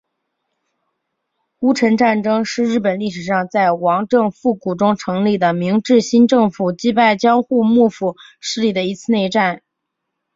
戊辰战争是日本历史上在王政复古中成立的明治新政府击败江户幕府势力的一次内战。